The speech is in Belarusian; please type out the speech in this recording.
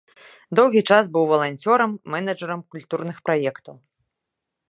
Доўгі час быў валанцёрам, менеджарам культурных праектаў.